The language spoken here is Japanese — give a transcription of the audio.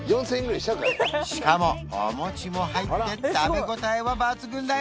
しかもお餅も入って食べ応えは抜群だよ